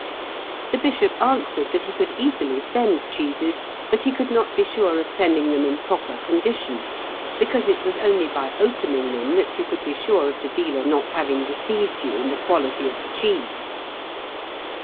The Bishop answered, that he could easily send cheeses, but he could not be sure of sending them in proper condition, because it was only by opening them that you could be sure of the dealer not having deceived you in the quality of the cheese.